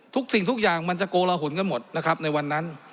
ทุกสิ่งทุกอย่างมันจะโกรหภุณกันหมดในวันนั้น